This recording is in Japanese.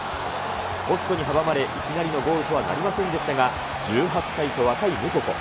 ポストに阻まれ、いきなりのゴールとはなりませんでしたが、１８歳と若いムココ。